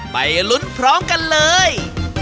ไปลุ้นพร้อมกันเลย